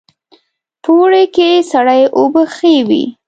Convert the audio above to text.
په اوړي کې سړې اوبه ښې وي